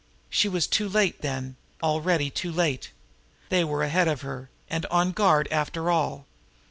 She was too late, then already too late! They were here ahead of her and on guard after all!